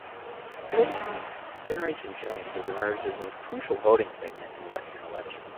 Politically, Generation Jones has emerged as a crucial voting segment in Western elections.